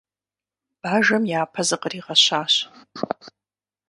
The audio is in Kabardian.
Бажэм япэ зыкъригъэщащ.